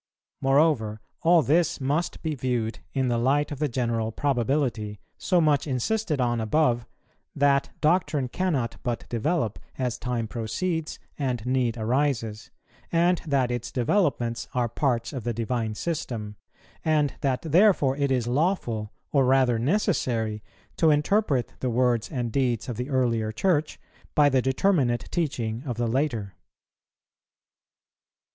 Moreover, all this must be viewed in the light of the general probability, so much insisted on above, that doctrine cannot but develope as time proceeds and need arises, and that its developments are parts of the Divine system, and that therefore it is lawful, or rather necessary, to interpret the words and deeds of the earlier Church by the determinate teaching of the later.